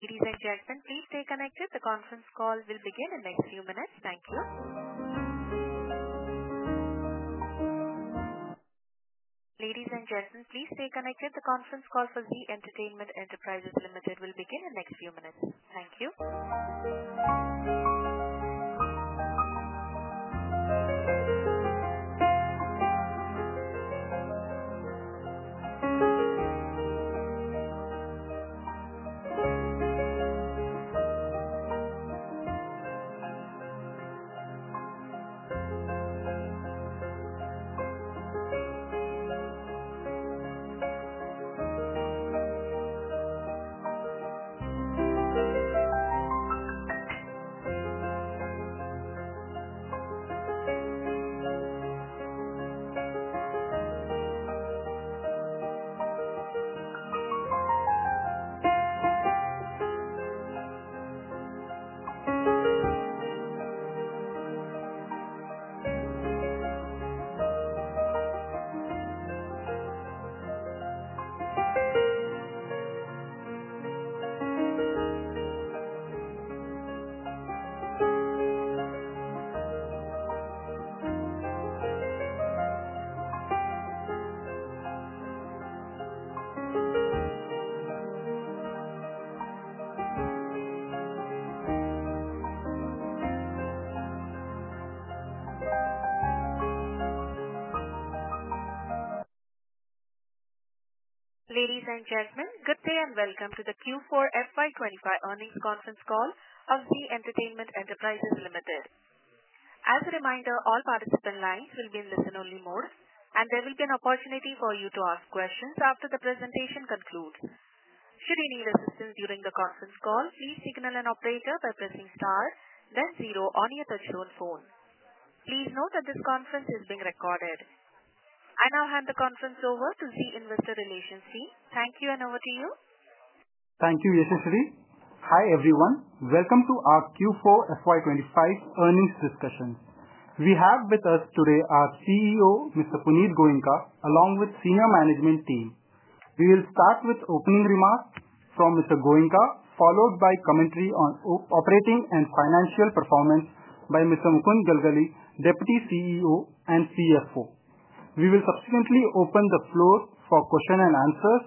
Ladies and gentlemen, please stay connected. The conference call will begin in the next few minutes. Thank you. Ladies and gentlemen, please stay connected. The conference call for Zee Entertainment Enterprises Limited, will begin in the next few minutes. Thank you. Ladies and gentlemen, good day and welcome to the Q4 FY 2025 earnings conference call of Zee Entertainment Enterprises Limited. As a reminder, all participant lines will be in listen-only mode, and there will be an opportunity for you to ask questions after the presentation concludes. Should you need assistance during the conference call, please signal an operator by pressing star, then zero on your touch-tone phone. Please note that this conference is being recorded. I now hand the conference over to Zee Investor Relations Team. Thank you, and over to you. Thank you, Yashasree. Hi everyone. Welcome to our Q4 FY 2025 earnings discussion. We have with us today our CEO, Mr. Punit Goenka, along with the senior management team. We will start with opening remarks from Mr. Goenka, followed by commentary on operating and financial performance by Mr. Mukund Galgali, Deputy CEO and CFO. We will subsequently open the floor for questions and answers.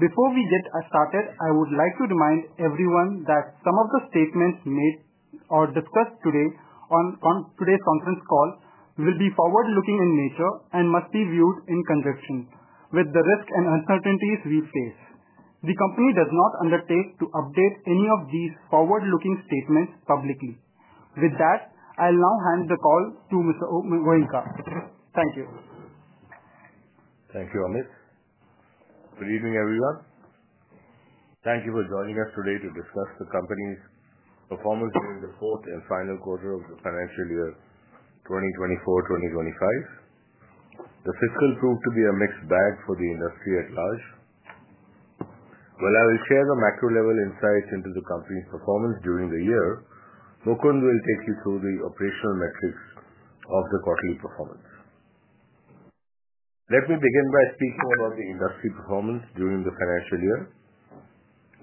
Before we get started, I would like to remind everyone that some of the statements made or discussed today on today's conference call will be forward-looking in nature and must be viewed in conjunction with the risks and uncertainties we face. The company does not undertake to update any of these forward-looking statements publicly. With that, I'll now hand the call to Mr. Goenka. Thank you. Thank you, Amit. Good evening, everyone. Thank you for joining us today to discuss the company's performance during the fourth and final quarter of the financial year 2024-2025. The fiscal proved to be a mixed bag for the industry at large. While I will share the macro-level insights into the company's performance during the year, Mukund will take you through the operational metrics of the quarterly performance. Let me begin by speaking about the industry performance during the financial year.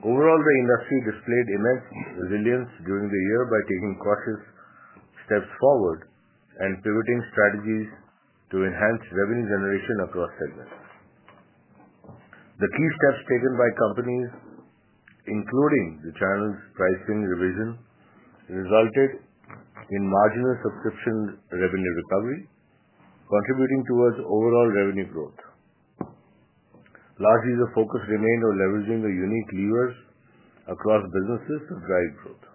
Overall, the industry displayed immense resilience during the year by taking cautious steps forward and pivoting strategies to enhance revenue generation across segments. The key steps taken by companies, including the channel's pricing revision, resulted in marginal subscription revenue recovery, contributing towards overall revenue growth. Largely the focus remained on leveraging the unique levers across businesses to drive growth.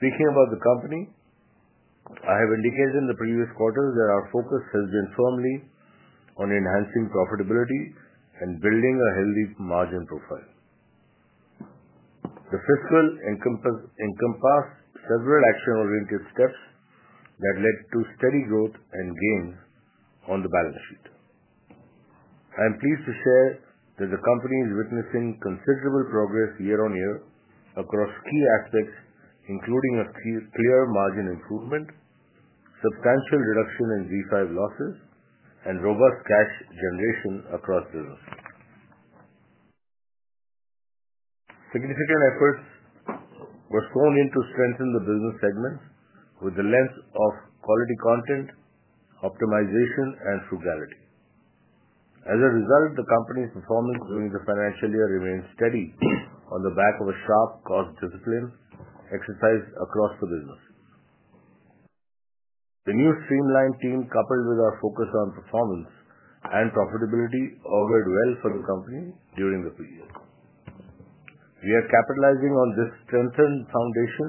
Speaking about the company, I have indicated in the previous quarters that our focus has been firmly on enhancing profitability and building a healthy margin profile. The fiscal encompassed several action-oriented steps that led to steady growth and gains on the balance sheet. I am pleased to share that the company is witnessing considerable progress year-on-year across key aspects, including a clear margin improvement, substantial reduction in ZEE5 losses, and robust cash generation across businesses. Significant efforts were flown in to strengthen the business segments with the lens of quality content optimization and frugality. As a result, the company's performance during the financial year remained steady on the back of a sharp cost discipline exercised across the business. The new streamlined team, coupled with our focus on performance and profitability, all worked well for the company during the period. We are capitalizing on this strengthened foundation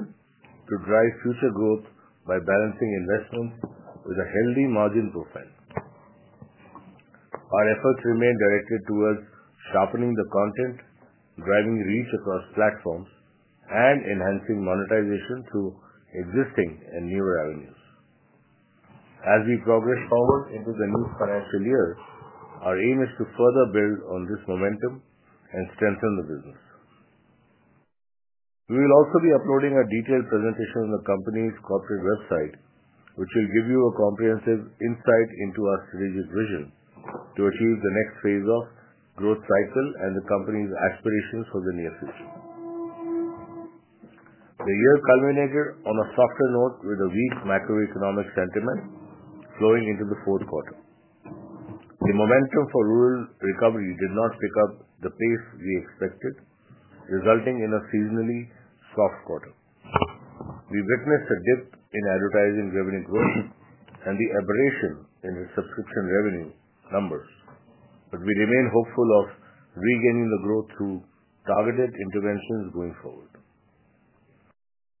to drive future growth by balancing investments with a healthy margin profile. Our efforts remain directed towards sharpening the content, driving reach across platforms, and enhancing monetization through existing and newer avenues. As we progress forward into the new financial year, our aim is to further build on this momentum and strengthen the business. We will also be uploading a detailed presentation on the company's corporate website, which will give you a comprehensive insight into our strategic vision to achieve the next phase of growth cycle and the company's aspirations for the near future. The year culminated on a softer note with a weak macroeconomic sentiment flowing into the fourth quarter. The momentum for rural recovery did not pick up the pace we expected, resulting in a seasonally soft quarter. We witnessed a dip in advertising revenue growth and the aberration in the subscription revenue numbers, but we remain hopeful of regaining the growth through targeted interventions going forward.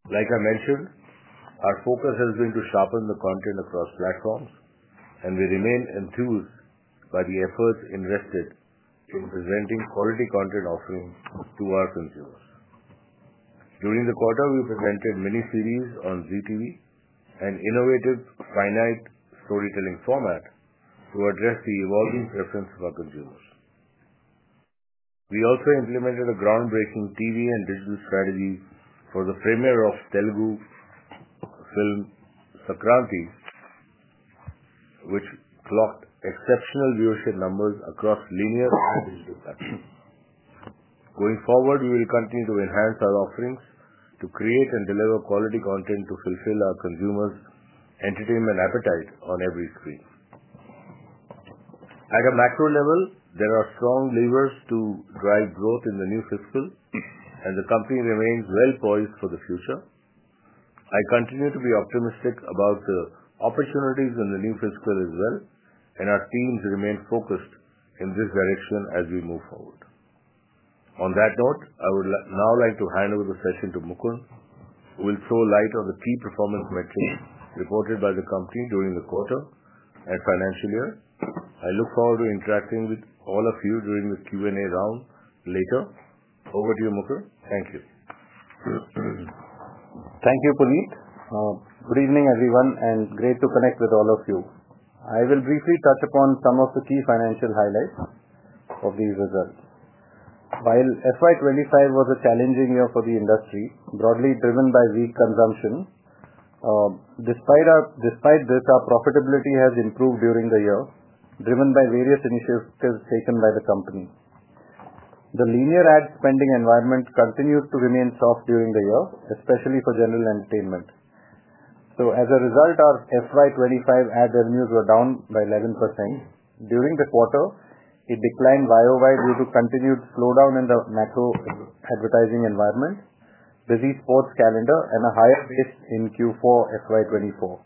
Like I mentioned, our focus has been to sharpen the content across platforms, and we remain enthused by the efforts invested in presenting quality content offerings to our consumers. During the quarter, we presented Mini Series on Zee TV, an innovative finite storytelling format to address the evolving preference of our consumers. We also implemented a groundbreaking TV and Digital strategy for the premiere of Telugu film Sankrantiki, which clocked exceptional viewership numbers across linear and digital platforms. Going forward, we will continue to enhance our offerings to create and deliver quality content to fulfill our consumers' entertainment appetite on every screen. At a macro level, there are strong levers to drive growth in the new fiscal, and the company remains well poised for the future. I continue to be optimistic about the opportunities in the new fiscal as well, and our teams remain focused in this direction as we move forward. On that note, I would now like to hand over the session to Mukund, who will throw light on the key performance metrics reported by the company during the quarter and financial year. I look forward to interacting with all of you during the Q&A round later. Over to you, Mukund. Thank you. Thank you, Punit. Good evening, everyone, and great to connect with all of you. I will briefly touch upon some of the key financial highlights of these results. While FY 2025 was a challenging year for the industry, broadly driven by weak consumption, despite this, our profitability has improved during the year, driven by various initiatives taken by the company. The linear ad spending environment continues to remain soft during the year, especially for general entertainment. As a result, our FY 2025 ad revenues were down by 11%. During the quarter, it declined YoY due to continued slowdown in the macro advertising environment, busy sports calendar, and a higher base in Q4 FY 2024.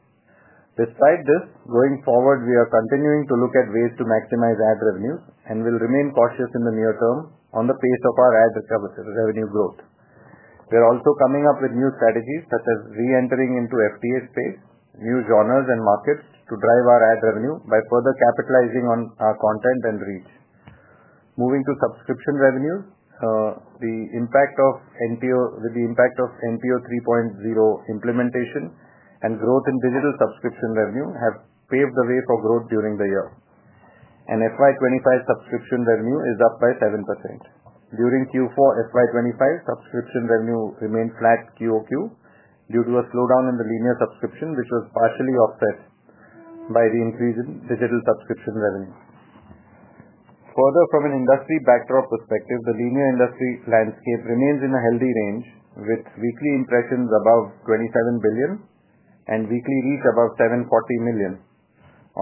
Despite this, going forward, we are continuing to look at ways to maximize ad revenues and will remain cautious in the near term on the pace of our ad revenue growth. We are also coming up with new strategies such as re-entering into FTA space, new genres and markets to drive our ad revenue by further capitalizing on our content and reach. Moving to subscription revenues, the impact of NTO 3.0 implementation and growth in digital subscription revenue have paved the way for growth during the year. FY 2025 subscription revenue is up by 7%. During Q4 FY 2025, subscription revenue remained flat QoQ due to a slowdown in the linear subscription, which was partially offset by the increase in digital subscription revenue. Further, from an industry backdrop perspective, the linear industry landscape remains in a healthy range with weekly impressions above 27 billion and weekly reach above 740 million.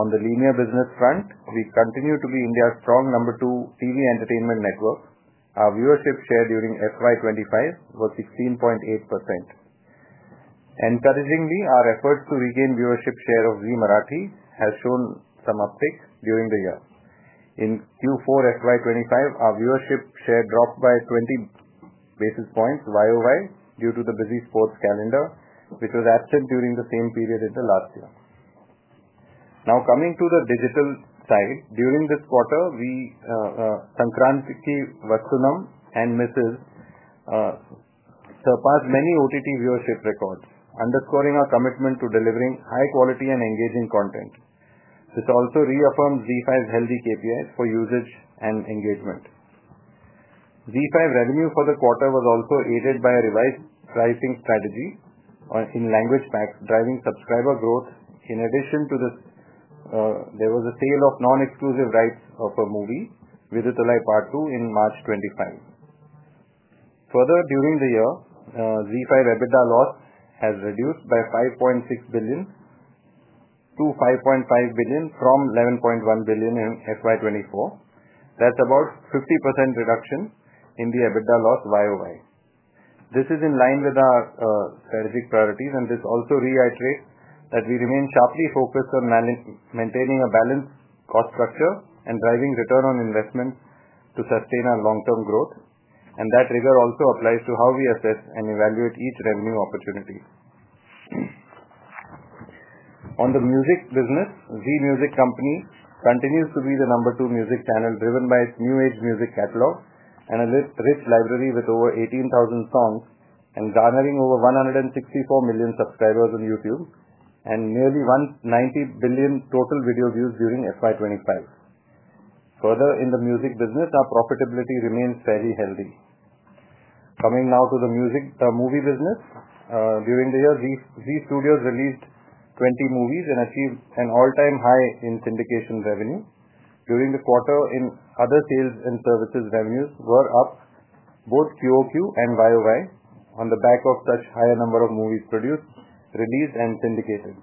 On the linear business front, we continue to be India's strong number two TV entertainment network. Our viewership share during FY 2025 was 16.8%. Encouragingly, our efforts to regain viewership share of Zee Marathi have shown some uptick during the year. In Q4 FY 2025, our viewership share dropped by 20 basis points YoY due to the busy sports calendar, which was absent during the same period as the last year. Now, coming to the digital side, during this quarter, we Sankrantiki Vasthunam and Mrs. surpassed many OTT viewership records, underscoring our commitment to delivering high-quality and engaging content. This also reaffirms ZEE5's healthy KPIs for usage and engagement. ZEE5 revenue for the quarter was also aided by a revised pricing strategy in language packs, driving subscriber growth. In addition to this, there was a sale of non-exclusive rights of a movie, Viduthalai Part 2, in March 2025. Further, during the year, ZEE5 EBITDA loss has reduced by 5.6 billion to 5.5 billion from 11.1 billion in FY 2024. That's about a 50% reduction in the EBITDA loss YoY. This is in line with our strategic priorities, and this also reiterates that we remain sharply focused on maintaining a balanced cost structure and driving return on investment to sustain our long-term growth. That rigor also applies to how we assess and evaluate each revenue opportunity. On the music business, Zee Music Company continues to be the number two music channel, driven by its new-age music catalog and a rich library with over 18,000 songs and garnering over 164 million subscribers on YouTube and nearly 190 billion total video views during FY 2025. Further, in the music business, our profitability remains fairly healthy. Coming now to the movie business, during the year, Zee Studios released 20 movies and achieved an all-time high in syndication revenue. During the quarter, other sales and services revenues were up, both QoQ and YoY, on the back of such a higher number of movies produced, released, and syndicated.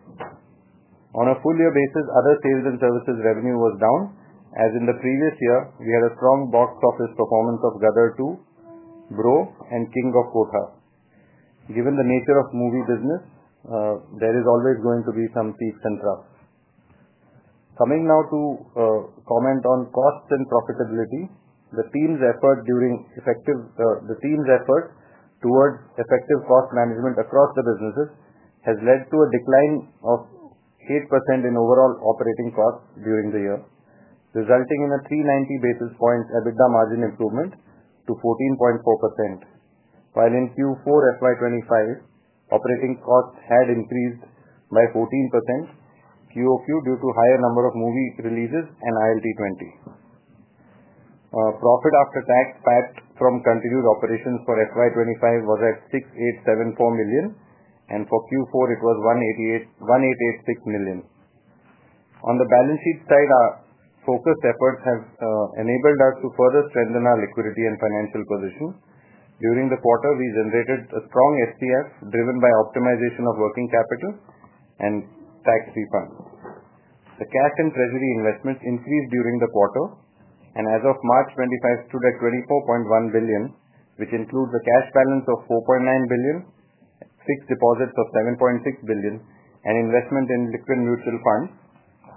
On a full-year basis, other sales and services revenue was down, as in the previous year, we had a strong box office performance of Gadar 2, Bro, and King of Kotha. Given the nature of movie business, there is always going to be some peaks and troughs. Coming now to comment on costs and profitability, the team's effort towards effective cost management across the businesses has led to a decline of 8% in overall operating costs during the year, resulting in a 390 basis points EBITDA margin improvement to 14.4%. While in Q4 FY 2025, operating costs had increased by 14% QoQ due to a higher number of movie releases and ILT20. Profit after tax from continued operations for FY 2025 was at 6,874 million, and for Q4, it was 1,886 million. On the balance sheet side, our focused efforts have enabled us to further strengthen our liquidity and financial position. During the quarter, we generated a strong FCF driven by optimization of working capital and tax refunds. The cash and treasury investments increased during the quarter, and as of March 2025, stood at 24.1 billion, which includes a cash balance of 4.9 billion, fixed deposits of 7.6 billion, and investment in liquid mutual funds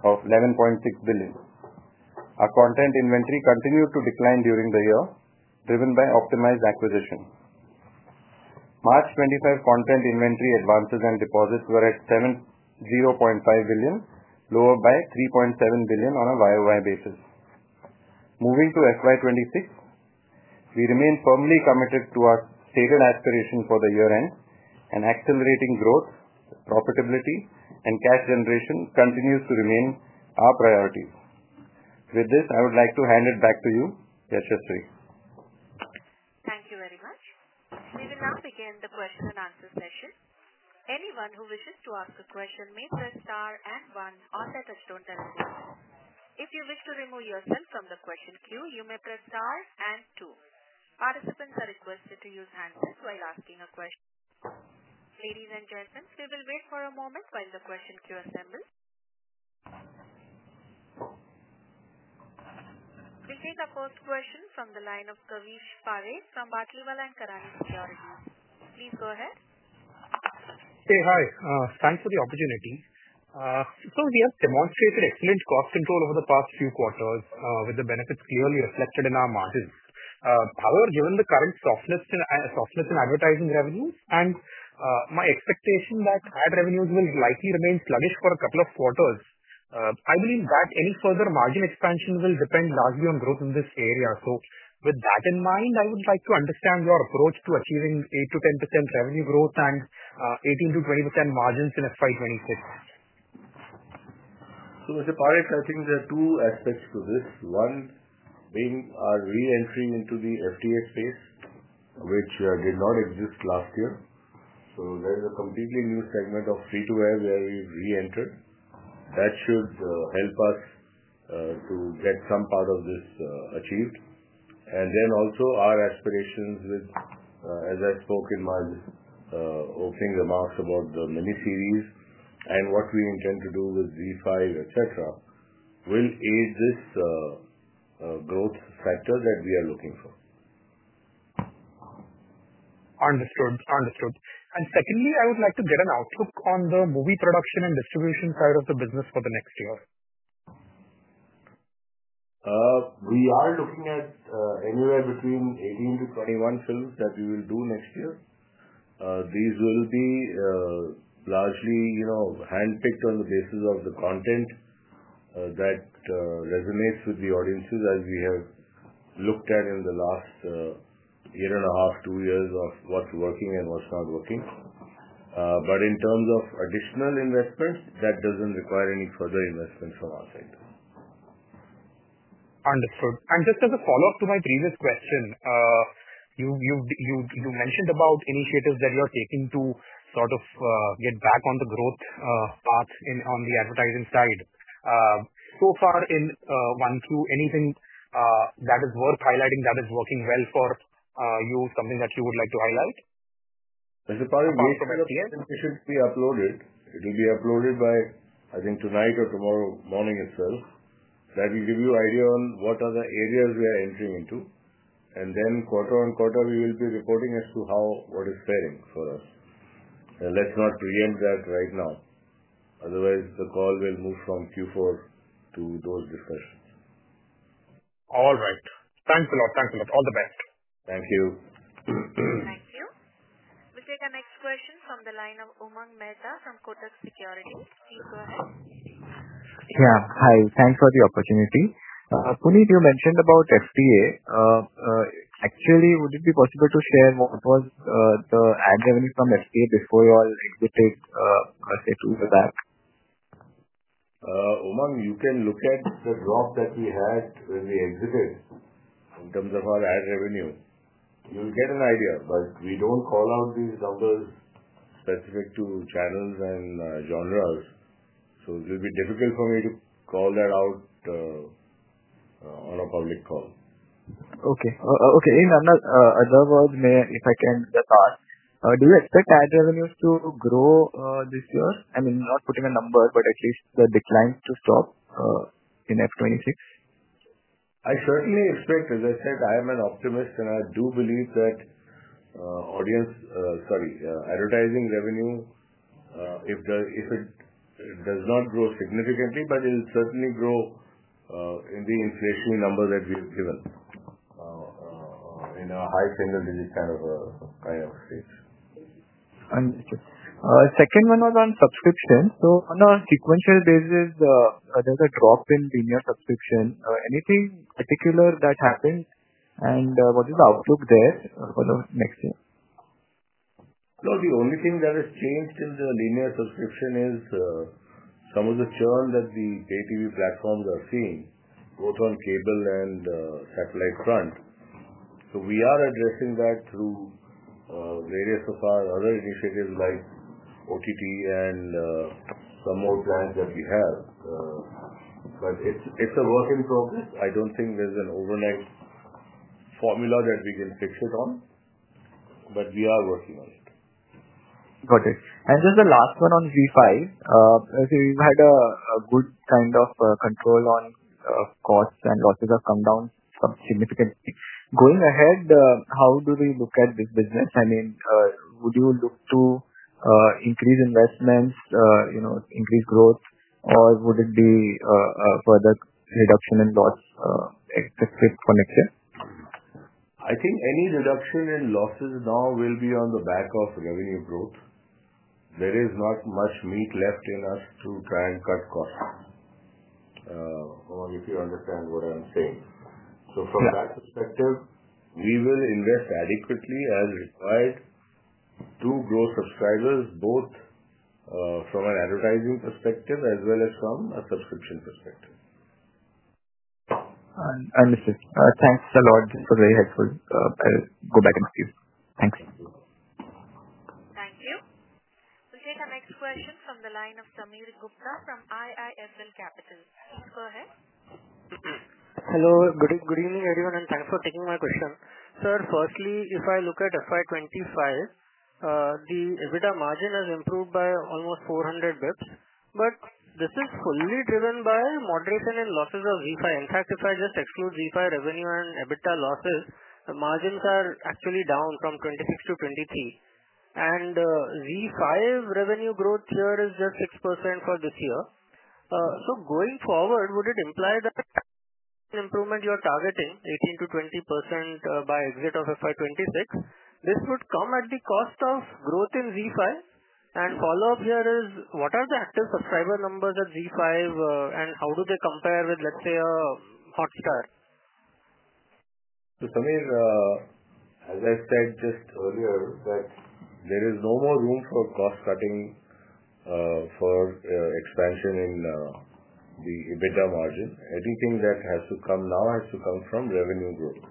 of 11.6 billion. Our content inventory continued to decline during the year, driven by optimized acquisition. March 2025 content inventory advances and deposits were at 70.5 billion, lower by 3.7 billion on a YoY basis. Moving to FY 2026, we remain firmly committed to our stated aspiration for the year-end, and accelerating growth, profitability, and cash generation continues to remain our priorities. With this, I would like to hand it back to you, Yashasree. Thank you very much. We will now begin the question and answer session. Anyone who wishes to ask a question may press star and one on the touchstone telephone. If you wish to remove yourself from the question queue, you may press star and two. Participants are requested to use handsets while asking a question. Ladies and gentlemen, we will wait for a moment while the question queue assembles. We'll take a first question from the line of Kavish Parekh from Batlivala & Karani Securities. Please go ahead. Hey, hi. Thanks for the opportunity. We have demonstrated excellent cost control over the past few quarters, with the benefits clearly reflected in our margins. However, given the current softness in advertising revenues and my expectation that ad revenues will likely remain sluggish for a couple of quarters, I believe that any further margin expansion will depend largely on growth in this area. With that in mind, I would like to understand your approach to achieving 8%-10% revenue growth and 18%-20% margins in FY 2026. Mr. Parekh, I think there are two aspects to this. One being our re-entry into the FTA space, which did not exist last year. There is a completely new segment of free-to-air where we've re-entered. That should help us to get some part of this achieved. Also, our aspirations with, as I spoke in my opening remarks about the miniseries and what we intend to do with ZEE5, etc., will aid this growth factor that we are looking for. Understood. Understood. Secondly, I would like to get an outlook on the movie production and distribution side of the business for the next year. We are looking at anywhere between 18-21 films that we will do next year. These will be largely handpicked on the basis of the content that resonates with the audiences, as we have looked at in the last 1.5 year to 2 years of what's working and what's not working. In terms of additional investments, that doesn't require any further investment from our side. Understood. Just as a follow-up to my previous question, you mentioned about initiatives that you are taking to sort of get back on the growth path on the advertising side. So far, in Q1, anything that is worth highlighting that is working well for you, something that you would like to highlight? Mr. Parekh, which investments should be uploaded? It will be uploaded by, I think, tonight or tomorrow morning itself. That will give you an idea on what are the areas we are entering into. Quarter-on-quarter, we will be reporting as to how what is faring for us. Let's not preempt that right now. Otherwise, the call will move from Q4 to those discussions. All right. Thanks a lot. Thanks a lot. All the best. Thank you. Thank you. We'll take our next question from the line of Umang Mehta from Kotak Securities. Please go ahead. Yeah. Hi. Thanks for the opportunity. Punit, you mentioned about FTA. Actually, would it be possible to share what was the ad revenue from FTA before you all exited say two years back? Umang, you can look at the drop that we had when we exited in terms of our ad revenue. You'll get an idea, but we don't call out these numbers specific to channels and genres. It will be difficult for me to call that out on a public call. Okay. Okay. In other words, if I can just ask, do you expect ad revenues to grow this year? I mean, not putting a number, but at least the decline to stop in F 2026. I certainly expect. As I said, I am an optimist, and I do believe that audience—sorry, advertising revenue—if it does not grow significantly, but it will certainly grow in the inflationary number that we have given in a high single-digit kind of stage. Understood. Second one was on subscription. On a sequential basis, there's a drop in linear subscription. Anything particular that happened? What is the outlook there for the next year? No, the only thing that has changed in the linear subscription is some of the churn that the pay-TV platforms are seeing, both on cable and satellite front. We are addressing that through various of our other initiatives like OTT and some more plans that we have. It is a work-in-progress. I do not think there is an overnight formula that we can fix it on, but we are working on it. Got it. Just the last one on ZEE5, as you had a good kind of control on costs and losses have come down significantly. Going ahead, how do we look at this business? I mean, would you look to increase investments, increase growth, or would it be further reduction in loss for next year? I think any reduction in losses now will be on the back of revenue growth. There is not much meat left in us to try and cut costs, if you understand what I'm saying. From that perspective, we will invest adequately as required to grow subscribers, both from an advertising perspective as well as from a subscription perspective. Understood. Thanks a lot for the helpful. I'll go back and ask you. Thanks. Thank you. Thank you. We'll take our next question from the line of Sameer Gupta from IIFL Capital. Please go ahead. Hello. Good evening, everyone, and thanks for taking my question. Sir, firstly, if I look at FY 2025, the EBITDA margin has improved by almost 400 bps, but this is fully driven by moderation in losses of ZEE5. In fact, if I just exclude ZEE5 revenue and EBITDA losses, the margins are actually down from 26% to 23%. And ZEE5 revenue growth here is just 6% for this year. Going forward, would it imply that improvement you're targeting, 18%-20% by exit of FY 2026? This would come at the cost of growth in ZEE5. A follow-up here is, what are the active subscriber numbers at ZEE5, and how do they compare with, let's say, a Hotstar? Sameer, as I said just earlier, there is no more room for cost-cutting for expansion in the EBITDA margin. Anything that has to come now has to come from revenue growth.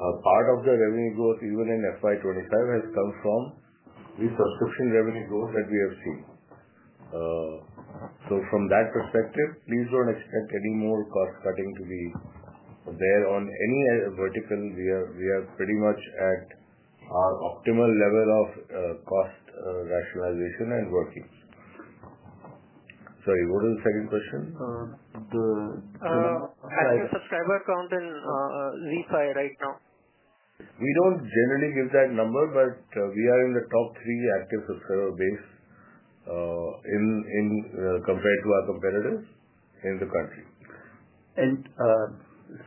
Part of the revenue growth, even in FY 2025, has come from the subscription revenue growth that we have seen. From that perspective, please do not expect any more cost-cutting to be there on any vertical. We are pretty much at our optimal level of cost rationalization and working. Sorry, what was the second question? The active subscriber count in ZEE5 right now? We don't generally give that number, but we are in the top three active subscriber base compared to our competitors in the country.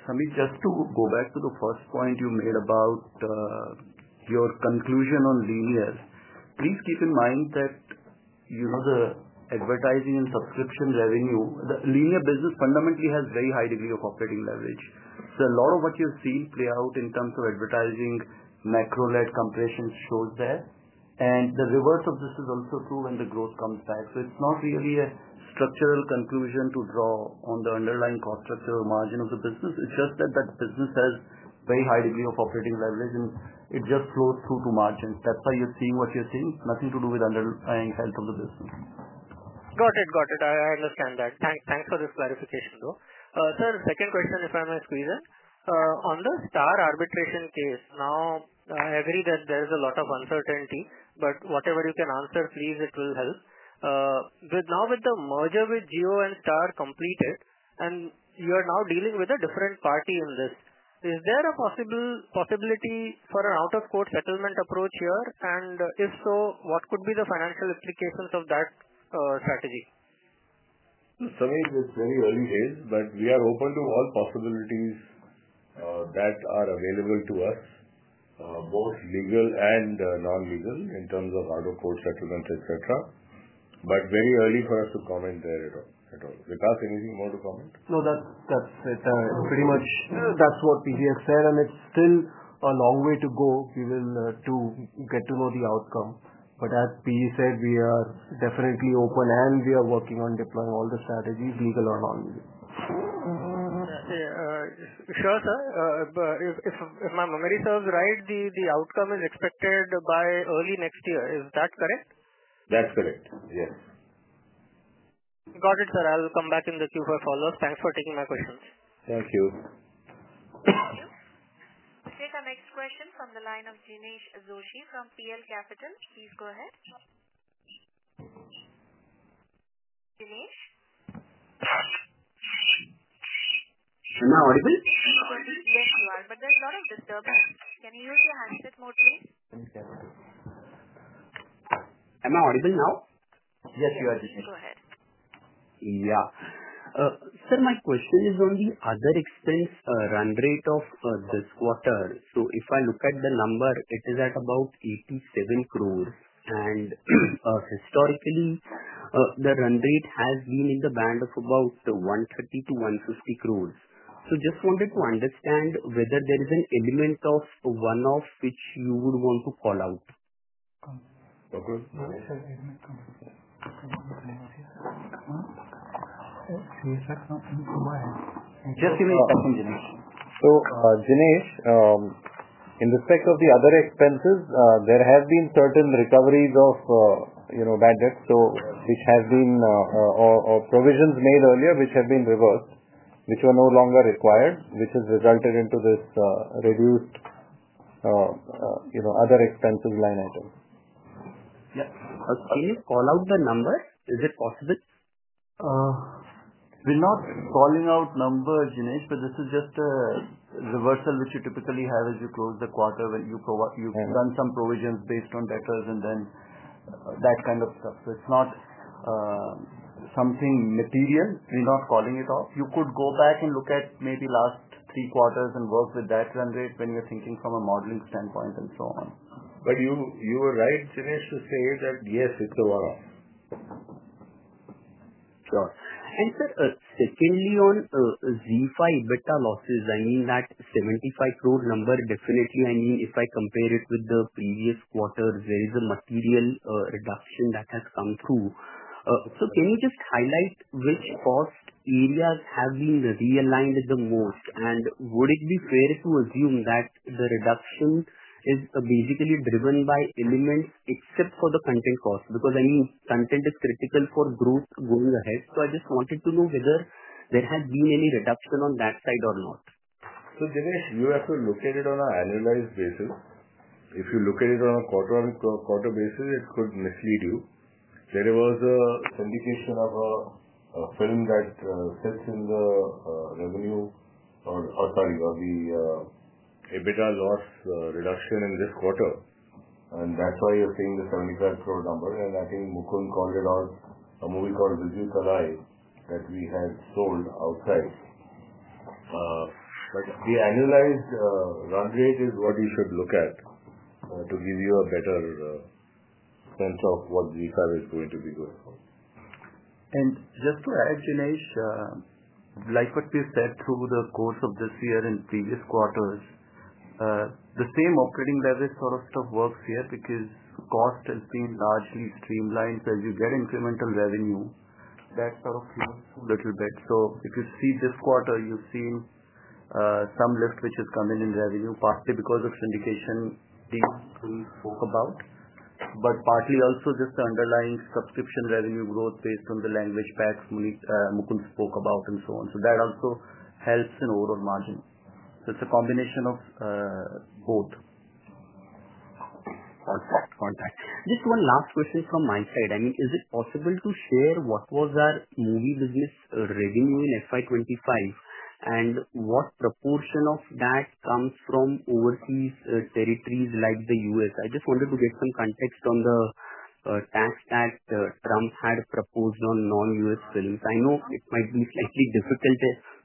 Sameer, just to go back to the first point you made about your conclusion on linear, please keep in mind that the advertising and subscription revenue, the linear business fundamentally has a very high degree of operating leverage. A lot of what you've seen play out in terms of advertising macro-led compression shows there. The reverse of this is also true when the growth comes back. It's not really a structural conclusion to draw on the underlying cost structure or margin of the business. It's just that that business has a very high degree of operating leverage, and it just flows through to margins. That's why you're seeing what you're seeing. Nothing to do with underlying health of the business. Got it. Got it. I understand that. Thanks for this clarification, though. Sir, second question, if I may squeeze in. On the Star arbitration case, now I agree that there is a lot of uncertainty, but whatever you can answer, please, it will help. Now with the merger with Jio and Star completed, and you are now dealing with a different party in this, is there a possibility for an out-of-court settlement approach here? If so, what could be the financial implications of that strategy? Sameer, it's very early days, but we are open to all possibilities that are available to us, both legal and non-legal in terms of out-of-court settlement, etc. It is very early for us to comment there at all. Vikas, anything you want to comment? No, that's it. Pretty much that's what PG has said, and it's still a long way to go. We will get to know the outcome. As PG said, we are definitely open, and we are working on deploying all the strategies, legal or non-legal. Sure, sir. If my memory serves right, the outcome is expected by early next year. Is that correct? That's correct. Yes. Got it, sir. I'll come back in the Q4 follow-up. Thanks for taking my questions. Thank you. Thank you. We'll take our next question from the line of Jinesh Joshi from PL Capital. Please go ahead. Jinesh? Am I audible? Yes, you are, but there's a lot of disturbance. Can you use your handset mode, please? Am I audible now? Yes, you are, Dinesh. Please go ahead. Yeah. Sir, my question is on the other expense run rate of this quarter. If I look at the number, it is at about 87 crores. Historically, the run rate has been in the band of about 130- 150 crores. I just wanted to understand whether there is an element of one-off which you would want to call out. Just give me a second, Dinesh. Jinesh, in respect of the other expenses, there have been certain recoveries of bad debt, which have been or provisions made earlier, which have been reversed, which were no longer required, which has resulted into this reduced other expenses line item. Yeah. Can you call out the number? Is it possible? We're not calling out numbers, Jinesh, but this is just a reversal which you typically have as you close the quarter when you run some provisions based on debtors and then that kind of stuff. It is not something material. We're not calling it off. You could go back and look at maybe the last three quarters and work with that run rate when you're thinking from a modeling standpoint and so on. You were right, Jinesh, to say that yes, it's a one-off. Sure. Sir, secondly on ZEE5 EBITDA losses, I mean that 75 crore number definitely, I mean, if I compare it with the previous quarters, there is a material reduction that has come through. Can you just highlight which cost areas have been realigned the most? Would it be fair to assume that the reduction is basically driven by elements except for the content cost? I mean, content is critical for growth going ahead. I just wanted to know whether there has been any reduction on that side or not. Jinesh, you have to look at it on an annualized basis. If you look at it on a quarter-on-quarter basis, it could mislead you. There was an indication of a film that sits in the revenue or, sorry, of the EBITDA loss reduction in this quarter. That is why you are seeing the 75 crore number. I think Mukund called it out, a movie called Viduthalai that we had sold outside. The annualized run rate is what you should look at to give you a better sense of what ZEE5 is going to be going for. Just to add, Jinesh, like what we've said through the course of this year and previous quarters, the same operating leverage sort of stuff works here because cost has been largely streamlined. As you get incremental revenue, that sort of flows a little bit. If you see this quarter, you've seen some lift which has come in in revenue, partly because of syndication team we spoke about, but partly also just the underlying subscription revenue growth based on the language packs Mukund spoke about and so on. That also helps in overall margin. It's a combination of both. Perfect. Contact. Just one last question from my side. I mean, is it possible to share what was our movie business revenue in FY 2025 and what proportion of that comes from overseas territories like the U.S.? I just wanted to get some context on the tax that Trump had proposed on non-U.S. films. I know it might be slightly difficult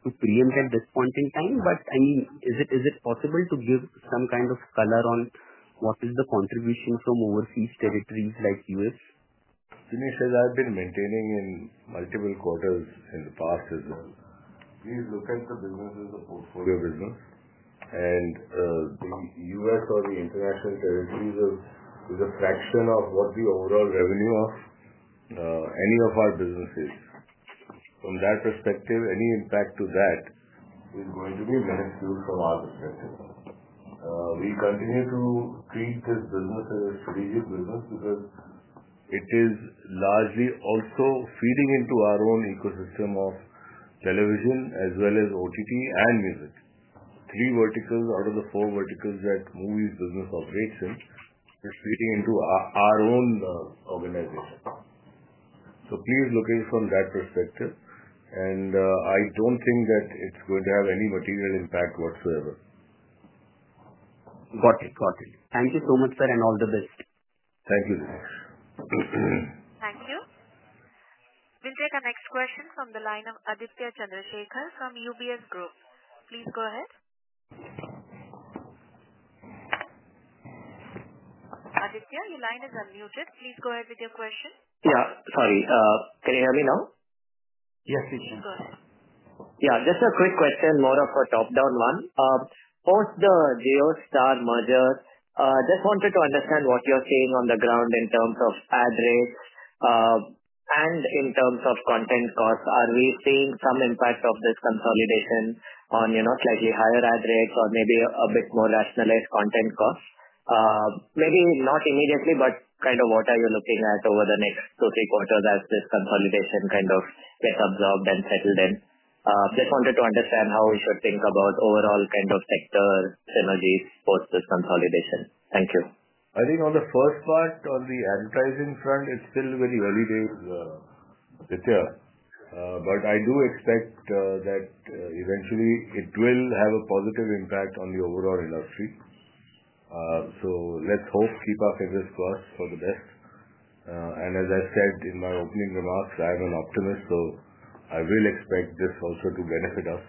to preempt at this point in time, but I mean, is it possible to give some kind of color on what is the contribution from overseas territories like U.S.? Jinesh, as I've been maintaining in multiple quarters in the past as well, please look at the business as a portfolio business. The U.S. or the international territories is a fraction of what the overall revenue of any of our business is. From that perspective, any impact to that is going to be miniscule from our perspective. We continue to treat this business as a strategic business because it is largely also feeding into our own ecosystem of television as well as OTT and music. Three verticals out of the four verticals that movies business operates in is feeding into our own organization. Please look at it from that perspective. I don't think that it's going to have any material impact whatsoever. Got it. Got it. Thank you so much, sir, and all the best. Thank you, Jinesh. Thank you. We'll take our next question from the line of Aditya Chandrasekhar from UBS Group. Please go ahead. Aditya, your line is unmuted. Please go ahead with your question. Yeah. Sorry. Can you hear me now? Yes, we can. Please go ahead. Yeah. Just a quick question, more of a top-down one. Post the JioStar merger, just wanted to understand what you're seeing on the ground in terms of ad rates and in terms of content costs. Are we seeing some impact of this consolidation on slightly higher ad rates or maybe a bit more rationalized content costs? Maybe not immediately, but kind of what are you looking at over the next two, three quarters as this consolidation kind of gets absorbed and settled in? Just wanted to understand how we should think about overall kind of sector synergies post this consolidation. Thank you. I think on the first part, on the advertising front, it's still very early days, Aditya. I do expect that eventually it will have a positive impact on the overall industry. Let's hope, keep up in this course for the best. As I said in my opening remarks, I am an optimist, so I will expect this also to benefit us.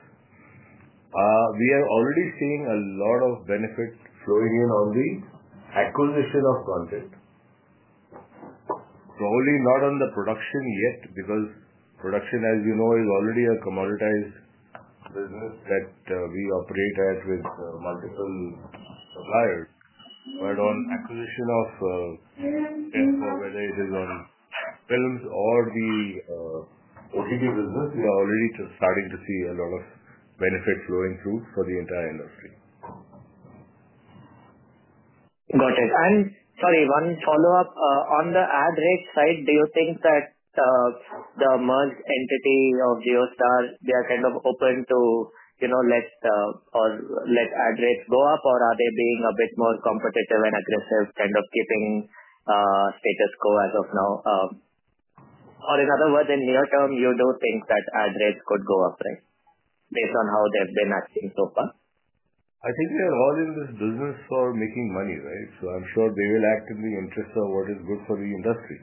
We are already seeing a lot of benefit flowing in on the acquisition of content. Probably not on the production yet because production, as you know, is already a commoditized business that we operate at with multiple suppliers. On acquisition of films, whether it is on films or the OTT business, we are already starting to see a lot of benefit flowing through for the entire industry. Got it. Sorry, one follow-up. On the ad rate side, do you think that the merged entity of JioStar, they are kind of open to let ad rates go up, or are they being a bit more competitive and aggressive, kind of keeping status quo as of now? In other words, in near term, you do think that ad rates could go up, right, based on how they've been acting so far? I think they're all in this business for making money, right? So I'm sure they will act in the interest of what is good for the industry.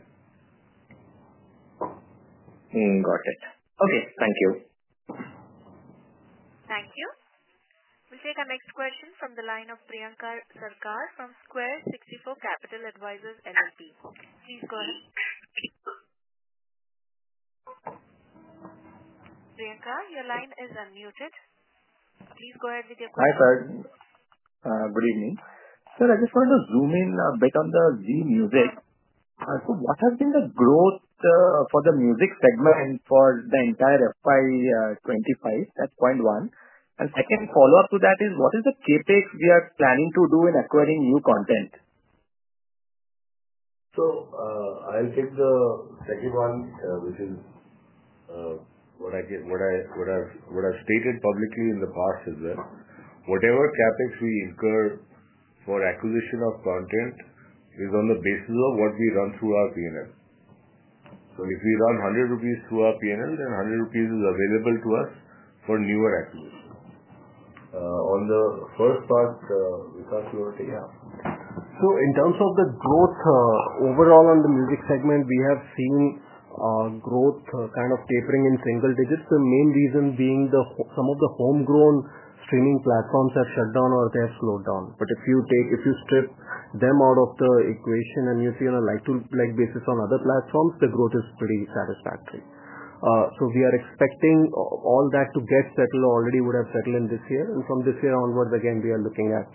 Got it. Okay. Thank you. Thank you. We'll take our next question from the line of Priyankar Sarkar from Square 64 Capital Advisors LLP. Please go ahead. Priyanka, your line is unmuted. Please go ahead with your question. Hi sir. Good evening. Sir, I just wanted to zoom in a bit on the Zee Music. So what has been the growth for the music segment for the entire FY 2025? That's point one. Second follow-up to that is, what is the CapEx we are planning to do in acquiring new content? I'll take the second one, which is what I've stated publicly in the past as well. Whatever CapEx we incur for acquisition of content is on the basis of what we run through our P&L. If we run 100 rupees through our P&L, then 100 rupees is available to us for newer acquisitions. On the first part, Vikas, you want to take it? Yeah. In terms of the growth overall on the music segment, we have seen growth kind of tapering in single digits. The main reason being some of the homegrown streaming platforms have shut down or they have slowed down. If you strip them out of the equation and you see on a like-to-like basis on other platforms, the growth is pretty satisfactory. We are expecting all that to get settled already, would have settled in this year. From this year onwards, again, we are looking at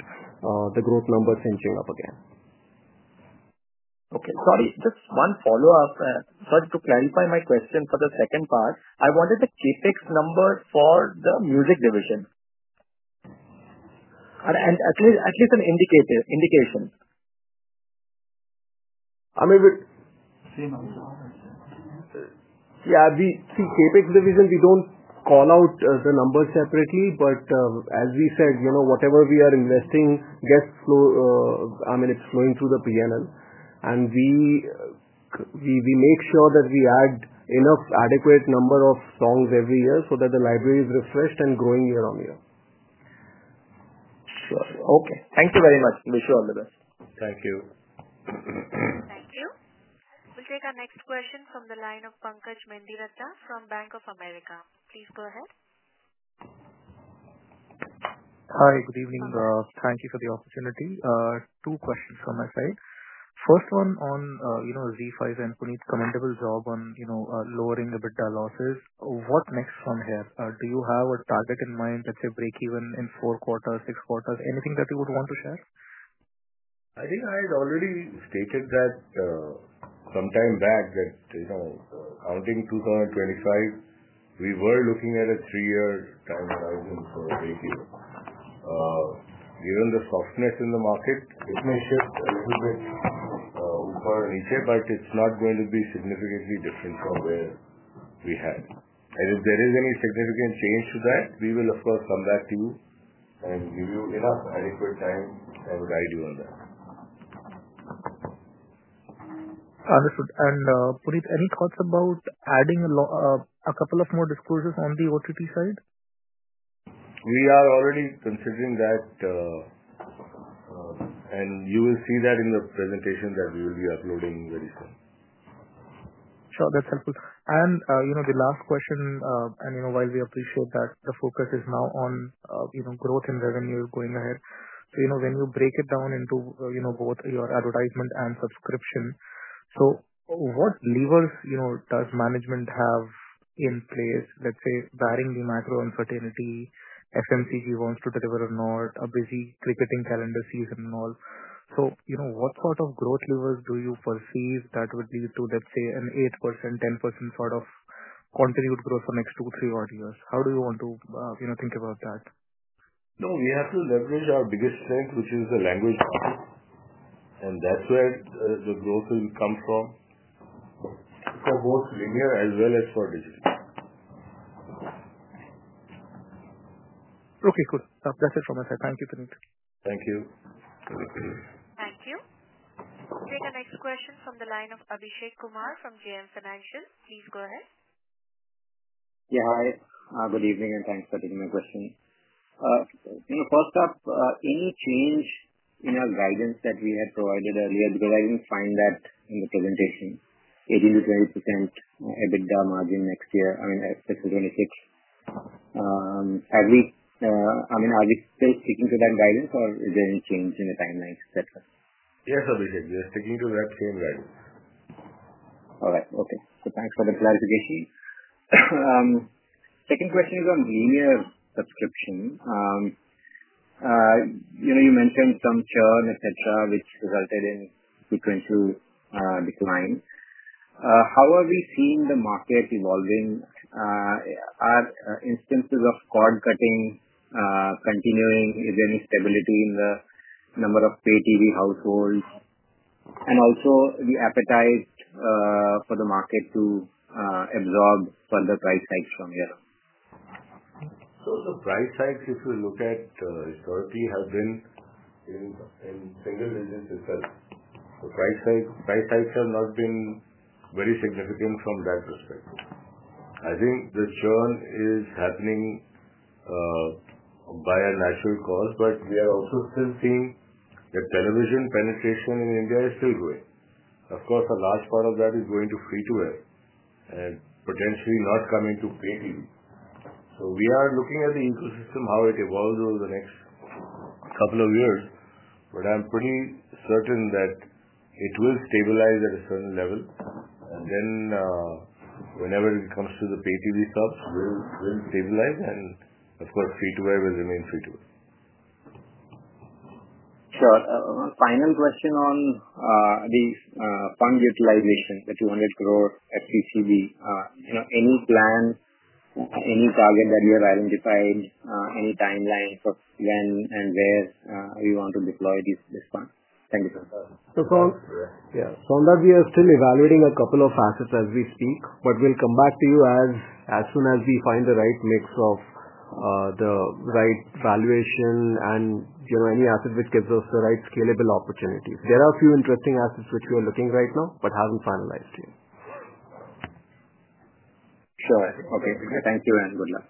the growth numbers inching up again. Okay. Sorry, just one follow-up. Sorry, to clarify my question for the second part, I wanted the CapEx number for the music division and at least an indication. I'm a bit. Same answer. Yeah. See, CapEx division, we do not call out the numbers separately. As we said, whatever we are investing gets flow, I mean, it is flowing through the P&L. We make sure that we add enough adequate number of songs every year so that the library is refreshed and growing year on year. Sure. Okay. Thank you very much. Wish you all the best. Thank you. Thank you. We'll take our next question from the line of Pankaj Mehendiratta from Bank of America. Please go ahead. Hi. Good evening. Thank you for the opportunity. Two questions from my side. First one on ZEE5 and Punit's commendable job on lowering EBITDA losses. What next from here? Do you have a target in mind, let's say, breakeven in four quarters, six quarters? Anything that you would want to share? I think I had already stated that sometime back that counting 2025, we were looking at a three-year time horizon for a breakeven. Given the softness in the market, it may shift a little bit up or a little bit lower, but it's not going to be significantly different from where we had. If there is any significant change to that, we will, of course, come back to you and give you enough adequate time and guide you on that. Understood. Punit, any thoughts about adding a couple of more disclosures on the OTT side? We are already considering that, and you will see that in the presentation that we will be uploading very soon. Sure. That's helpful. The last question, and while we appreciate that the focus is now on growth and revenue going ahead, when you break it down into both your advertisement and subscription, what levers does management have in place, let's say, bearing the macro uncertainty, FMCG wants to deliver or not, a busy cricketing calendar season and all? What sort of growth levers do you perceive that would lead to, let's say, an 8%-10% sort of continued growth for the next two, three or four years? How do you want to think about that? No, we have to leverage our biggest strength, which is the language market. That is where the growth will come from for both linear as well as for digital. Okay. Good. That's it from my side. Thank you, Punit. Thank you. Thank you. We'll take our next question from the line of Abhishek Kumar from JM Financial. Please go ahead. Yeah. Hi. Good evening and thanks for taking my question. First up, any change in our guidance that we had provided earlier? Because I did not find that in the presentation, 18%-20% EBITDA margin next year, I mean, next to 2026. I mean, are we still sticking to that guidance, or is there any change in the timelines, etc.? Yes, Abhishek. We are sticking to that same guidance. All right. Okay. Thanks for the clarification. Second question is on linear subscription. You mentioned some churn, etc., which resulted in sequential decline. How are we seeing the market evolving? Are instances of cord cutting continuing? Is there any stability in the number of pay-TV households? Also, the appetite for the market to absorb further price hikes from here? The price hikes, if you look at historically, have been in single digits itself. The price hikes have not been very significant from that perspective. I think the churn is happening by a natural cause, but we are also still seeing that television penetration in India is still growing. Of course, a large part of that is going to free-to-air and potentially not coming to pay-TV. We are looking at the ecosystem, how it evolves over the next couple of years, but I'm pretty certain that it will stabilize at a certain level. Whenever it comes to the pay-TV subs, we'll stabilize. Of course, free-to-air will remain free-to-air. Sure. Final question on the fund utilization, the 200 crore FCCB. Any plan, any target that you have identified, any timeline for when and where you want to deploy this fund? Thank you, sir. From that, we are still evaluating a couple of assets as we speak, but we'll come back to you as soon as we find the right mix of the right valuation and any asset which gives us the right scalable opportunities. There are a few interesting assets which we are looking right now but haven't finalized yet. Sure. Okay. Thank you and good luck.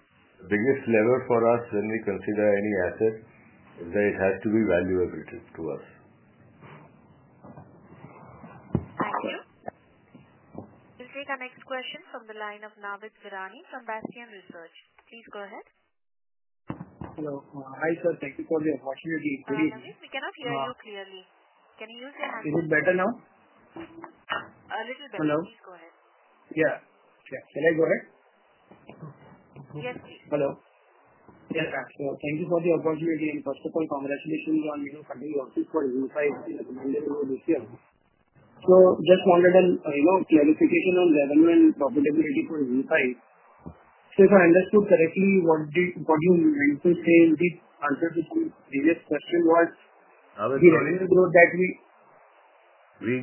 Biggest lever for us when we consider any asset is that it has to be value-accretive to us. Thank you. We'll take our next question from the line of Navid Virani from Bastion Research. Please go ahead. Hello. Hi sir. Thank you for the opportunity. Please. Hi, Navid. We cannot hear you clearly. Can you use your handphone? Is it better now? A little better. Please go ahead. Hello. Yeah. Can I go ahead? Yes, please. Hello. Yes. Thank you for the opportunity. First of all, congratulations on continuing your office for Unified in the mandatory this year. I just wanted a clarification on revenue and profitability for Unified. If I understood correctly, what you meant to say, the answer to some previous question was. Navid, revenue growth that we.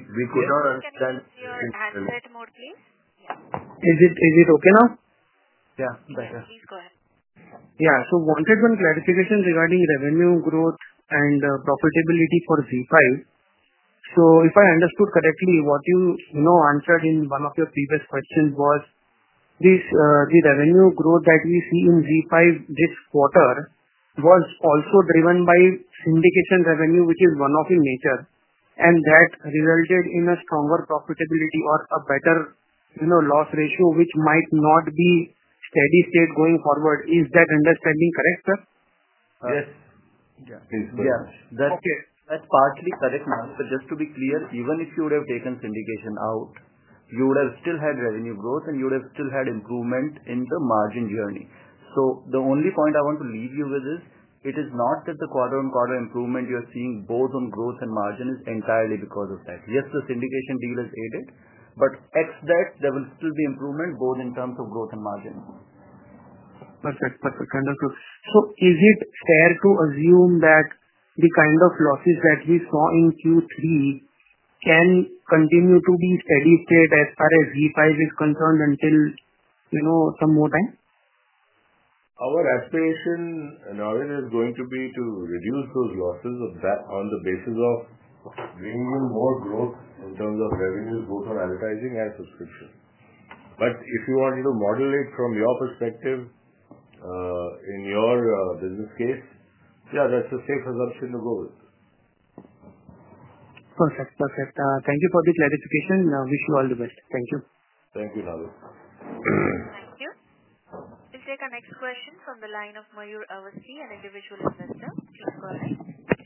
We could not understand. Has it read more, please? Is it okay now? Yeah. Better. Yes. Please go ahead. Yeah. Wanted one clarification regarding revenue growth and profitability for ZEE5. If I understood correctly, what you answered in one of your previous questions was the revenue growth that we see in ZEE5 this quarter was also driven by syndication revenue, which is one-off in nature, and that resulted in a stronger profitability or a better loss ratio, which might not be steady state going forward. Is that understanding correct, sir? Yes. Yes. Yes. Please go ahead. That's partly correct, Navid. Just to be clear, even if you would have taken syndication out, you would have still had revenue growth, and you would have still had improvement in the margin journey. The only point I want to leave you with is it is not that the quarter-on-quarter improvement you're seeing both on growth and margin is entirely because of that. Yes, the syndication deal is aided, but excluding that, there will still be improvement both in terms of growth and margin. Perfect. Perfect. Understood. Is it fair to assume that the kind of losses that we saw in Q3 can continue to be steady state as far as ZEE5 is concerned until some more time? Our aspiration, Navid, is going to be to reduce those losses on the basis of bringing in more growth in terms of revenue, both on advertising and subscription. If you wanted to model it from your perspective in your business case, yeah, that's a safe assumption to go with. Perfect. Perfect. Thank you for the clarification. Wish you all the best. Thank you. Thank you, Navid. Thank you. We'll take our next question from the line of Mayur Awasthi, an individual investor.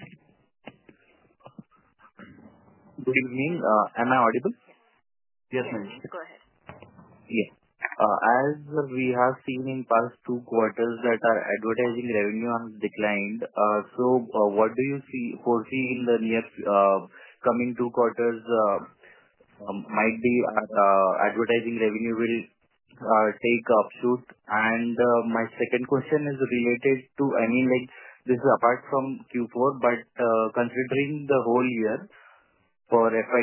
Please go ahead. Good evening. Am I audible? Yes, ma'am. Yes. Go ahead. Yeah. As we have seen in past two quarters, that our advertising revenue has declined. What do you foresee in the near coming two quarters? Might be advertising revenue will take offshoot? My second question is related to, I mean, this is apart from Q4, but considering the whole year for FY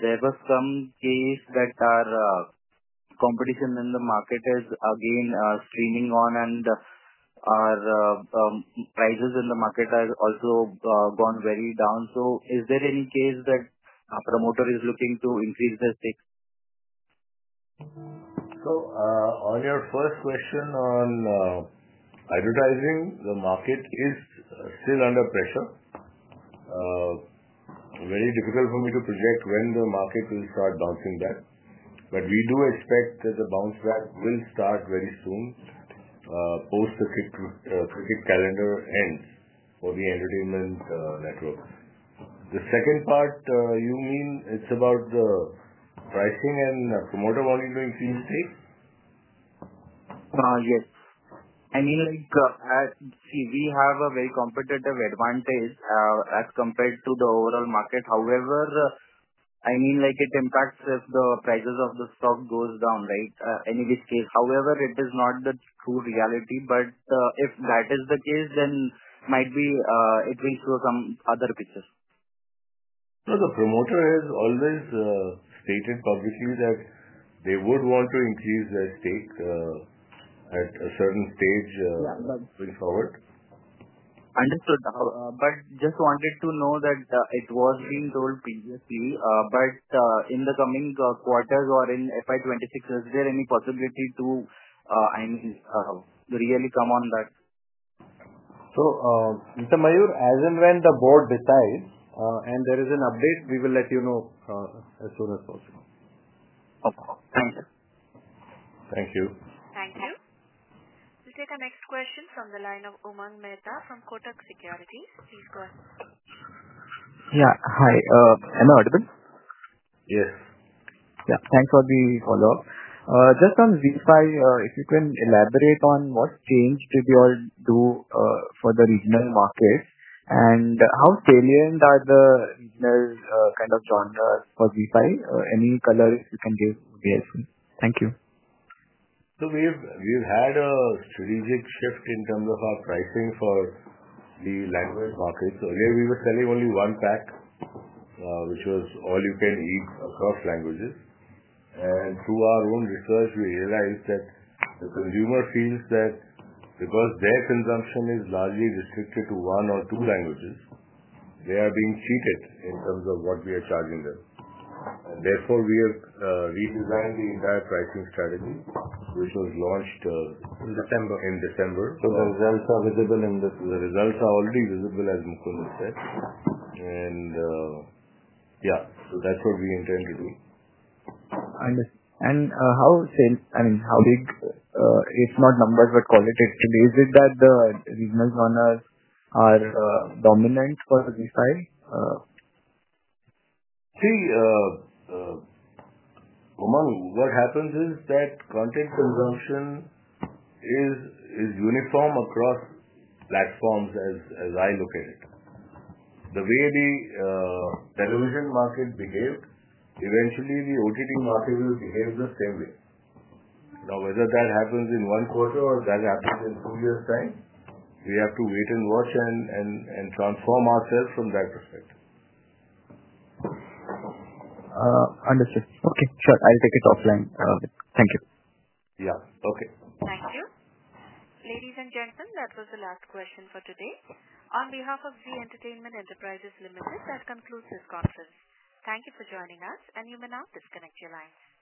2025, there were some cases that our competition in the market is again streaming on, and our prices in the market have also gone very down. Is there any case that a promoter is looking to increase the stakes? On your first question on advertising, the market is still under pressure. Very difficult for me to project when the market will start bouncing back. We do expect that the bounce back will start very soon post the cricket calendar end for the entertainment networks. The second part, you mean it's about the pricing and promoter volume doing steady state? Yes. I mean, see, we have a very competitive advantage as compared to the overall market. However, I mean, it impacts if the prices of the stock go down, right, in which case. However, it is not the true reality. If that is the case, then it will show some other pictures. No, the promoter has always stated publicly that they would want to increase their stake at a certain stage going forward. Understood. Just wanted to know that it was being told previously. In the coming quarters or in FY 2026, is there any possibility to, I mean, really come on that? Mr. Mayur, as and when the board decides and there is an update, we will let you know as soon as possible. Okay. Thank you. Thank you. Thank you. We'll take our next question from the line of Umang Mehta from Kotak Securities. Please go ahead. Yeah. Hi. Am I audible? Yes. Yeah. Thanks for the follow-up. Just on ZEE5, if you can elaborate on what change did you all do for the regional market, and how salient are the regional kind of genres for ZEE5? Any color you can give would be helpful. Thank you. We've had a strategic shift in terms of our pricing for the language market. Earlier, we were selling only one pack, which was all-you-can-eat across languages. Through our own research, we realized that the consumer feels that because their consumption is largely restricted to one or two languages, they are being cheated in terms of what we are charging them. Therefore, we have redesigned the entire pricing strategy, which was launched. In December. In December. The results are visible in this quarter. The results are already visible, as Mukund has said. Yeah, so that's what we intend to do. I mean, how big? It's not numbers, but qualitative. Is it that the regional genres are dominant for ZEE5? See, Umang, what happens is that content consumption is uniform across platforms as I look at it. The way the television market behaved, eventually the OTT market will behave the same way. Now, whether that happens in one quarter or that happens in two years' time, we have to wait and watch and transform ourselves from that perspective. Understood. Okay. Sure. I'll take it offline. Thank you. Yeah. Okay. Thank you. Ladies and gentlemen, that was the last question for today. On behalf of Zee Entertainment Enterprises Limited, that concludes this conference. Thank you for joining us, and you may now disconnect your lines.